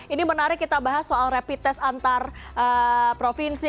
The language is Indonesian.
ini menarik kita bahas soal rapid test antar provinsi